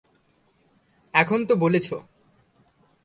এখন তো বলেছ।